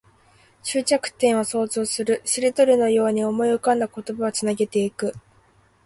終着点を想像する。しりとりのように思い浮かんだ言葉をつなげていく。